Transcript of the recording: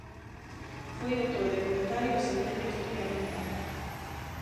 Foi o autor de Comentario ás sentencias de Pier Lombardo.